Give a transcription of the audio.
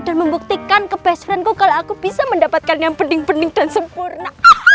dan membuktikan ke best friendku kalau aku bisa mendapatkan yang pening pening dan sempurna